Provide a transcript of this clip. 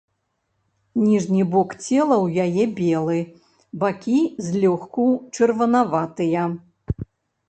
Ніжні бок цела ў яе белы, бакі злёгку чырванаватыя.